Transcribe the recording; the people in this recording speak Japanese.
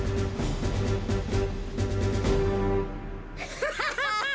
ハハハハハ！